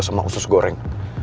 sama usus goreng